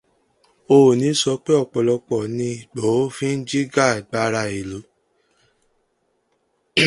Ọọ̀ni sọ pé ọpọlọ ni Ìgbòho fi ń jìjàgbara ìlú.